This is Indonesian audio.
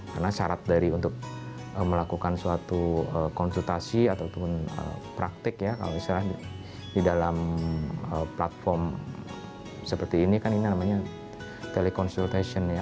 karena syarat dari untuk melakukan suatu konsultasi ataupun praktik ya kalau misalnya di dalam platform seperti ini kan ini namanya teleconsultation ya